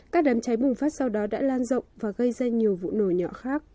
các đám cháy bùng phát sau đó đã lan rộng và gây ra nhiều vụ nổ nhỏ khác